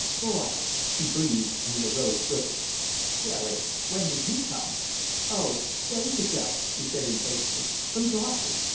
"Boy," she breathed and he arose swiftly. "Cherry! When did you come?" "Oh, DAYS ago," she said, impatiently, "from Dawson.